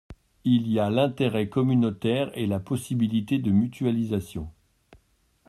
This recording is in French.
Il y a l’intérêt communautaire et la possibilité de mutualisation.